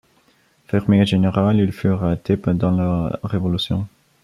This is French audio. Fermier général, il fut arrêté pendant la Révolution.